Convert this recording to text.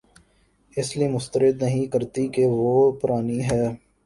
اس لیے مسترد نہیں کرتی کہ وہ پرانی ہے